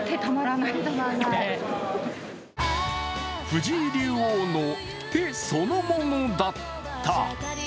藤井竜王の手そのものだった。